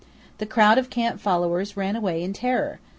The crowd of camp followers ran away in terror.